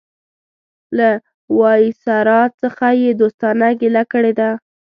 له وایسرا څخه یې دوستانه ګیله کړې ده.